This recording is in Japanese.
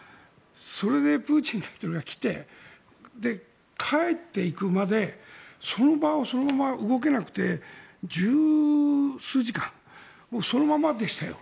それでプーチン大統領が来て帰っていくまでその場をそのまま動けなくて１０数時間そのままでしたよ。